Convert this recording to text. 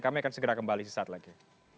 kami akan segera kembali sesaat lagi